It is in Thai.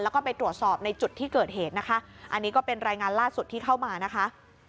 แล้วก็ไปตรวจสอบในจุดที่เกิดเหตุนะคะอันนี้ก็เป็นรายงานล่าสุดที่เข้ามานะคะ